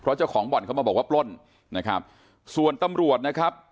เจ้าของบ่อนเข้ามาบอกว่าปล้นนะครับส่วนตำรวจนะครับ